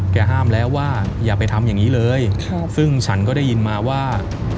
ห้ามแล้วว่าอย่าไปทำอย่างนี้เลยซึ่งฉันก็ได้ยินมาว่า